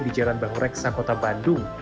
di jalan bangurek sapota bandung